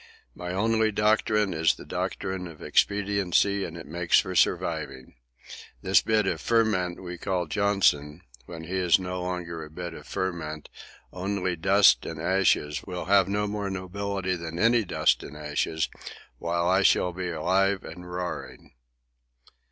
My only doctrine is the doctrine of expediency, and it makes for surviving. This bit of the ferment we call 'Johnson,' when he is no longer a bit of the ferment, only dust and ashes, will have no more nobility than any dust and ashes, while I shall still be alive and roaring."